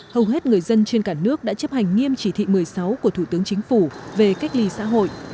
hầu hết người dân trên cả nước đã chấp hành nghiêm chỉ thị một mươi sáu của thủ tướng chính phủ về cách ly xã hội